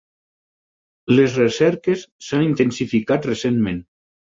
Les recerques s'han intensificat recentment.